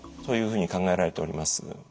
そういうふうに考えられております。